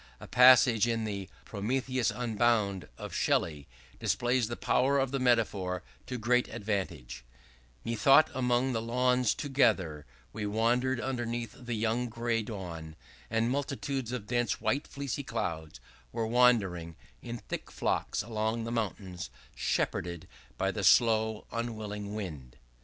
A passage in the 'Prometheus Unbound,' of Shelley, displays the power of the metaphor to great advantage: "Methought among the lawns together We wandered, underneath the young gray dawn, And multitudes of dense white fleecy clouds Were wandering, in thick flocks along the mountains Shepherded by the slow unwilling wind."